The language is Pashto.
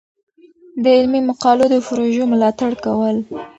د علمي مقالو د پروژو ملاتړ کول.